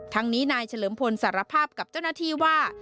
ทั้งนี้นายเฉลิมพลสารภาพกับเจ้าหน้าที่ว่า